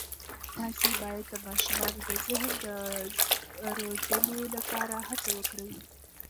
تاسې باید د ماشومانو د ذهن د روزلو لپاره هڅه وکړئ.